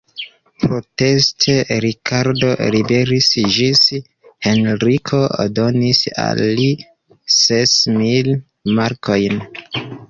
Proteste, Rikardo ribelis ĝis Henriko donis al li ses mil markojn.